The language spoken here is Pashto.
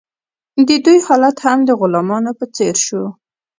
د دوی حالت هم د غلامانو په څیر شو.